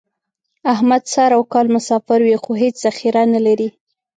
احمد سر او کال مسافر وي، خو هېڅ ذخیره نه لري.